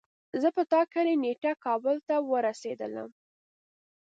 زه په ټاکلی نیټه کابل ته ورسیدلم